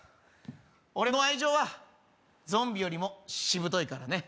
俺の愛情はゾンビよりもしぶといからね